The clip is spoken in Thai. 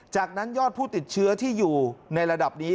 จากนั้นยอดผู้ติดเชื้อที่อยู่ในระดับนี้